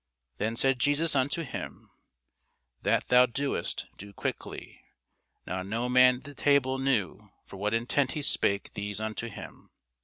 Then said Jesus unto him, That thou doest, do quickly. Now no man at the table knew for what intent he spake this unto him.